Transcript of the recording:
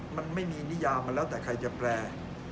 มันไม่มีนิยามมันแล้วแต่ใครจะแปล